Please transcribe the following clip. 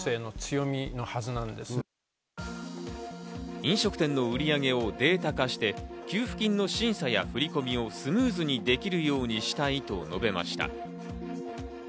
飲食店の売り上げをデータ化して給付金の審査や振り込みをスムーズにできるようにしたいと述べました。